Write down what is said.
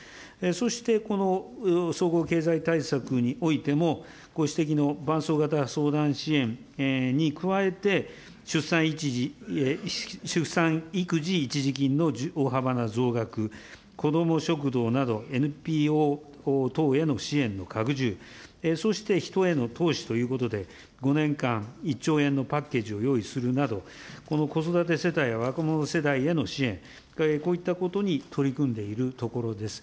そしてこの総合経済対策においても、ご指摘の伴走型相談支援に加えて、出産育児一時金の大幅な増額、子ども食堂など、ＮＰＯ等への支援の拡充、そして人への投資ということで、５年間１兆円のパッケージを用意するなど、この子育て世帯や若者世代への支援、こういったことに取り組んでいるところです。